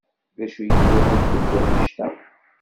D acu ay twalamt deg wanect-a?